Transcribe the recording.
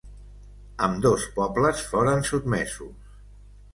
Ambdós pobles foren sotmesos.